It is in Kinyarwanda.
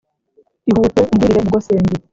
Ihute umbwirire Nyogosenge